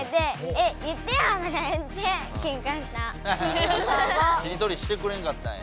メイがしりとりしてくれんかったんや。